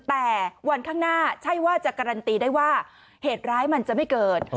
แต่วันข้างหน้าใช่ว่าจะการันตีได้ว่าเหตุร้ายมันจะไม่เกิด